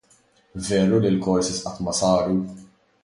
Veru li l-courses qatt ma saru?